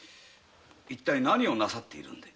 一体何をなさっているんで？